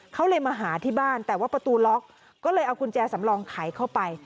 เขาเลยมาหาที่บ้านแต่ว่าประตูล็อกก็เลยเอากุญแจสำรองไขเข้าไป